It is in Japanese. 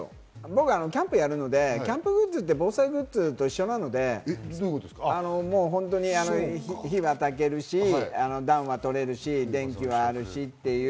僕キャンプやるので、キャンプグッズって防災グッズと一緒なので、火は焚けるし、暖は取れるし、電気はあるし。